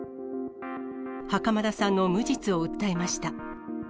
袴田さんの無実を訴えました。